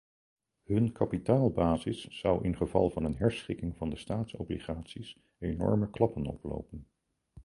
Hun kapitaalbasis zou ingeval van een herschikking van de staatsobligaties enorme klappen oplopen.